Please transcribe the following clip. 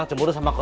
ibu guru siapa